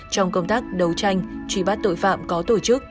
trong công tác đấu tranh truy bắt tội phạm có tổ chức